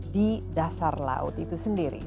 di dasar laut itu sendiri